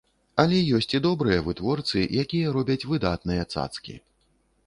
Але ёсць і добрыя вытворцы, якія робяць выдатныя цацкі.